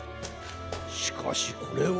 しかしこれは。